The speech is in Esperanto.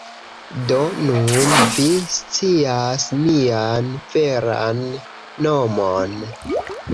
Do nun vi scias mian veran nomon.